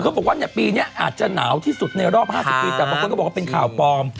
เขาบอกว่าปีนี้อาจจะหนาวที่สุดในรอบ๕๐ปีแต่บางคนก็บอกว่าเป็นข่าวปลอม